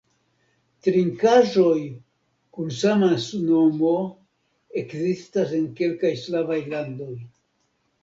Trinkaĵoj kun sama nomo ekzistas en kelkaj slavaj landoj.